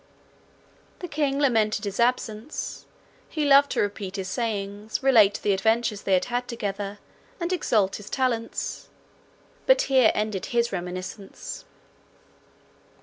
The king lamented his absence; he loved to repeat his sayings, relate the adventures they had had together, and exalt his talents—but here ended his reminiscence.